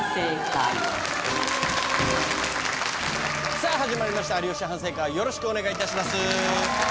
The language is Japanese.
さぁ始まりました『有吉反省会』よろしくお願いいたします。